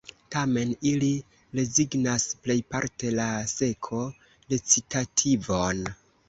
Tamen ili rezignas plejparte la seko-recitativon.